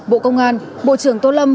bộ công an bộ trưởng tô lâm